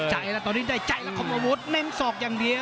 ใจใจแล้วคมอาวุธนั่นสอกอย่างเดียว